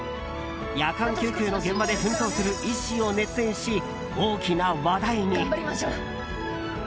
夜間救急の現場で奮闘する医師を熱演し、大きな話題に。